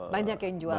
banyak yang jualan